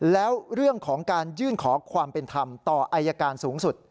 แล้วเรื่องของการยื่นขอความเป็นธรรมต่ออายการสูงสุด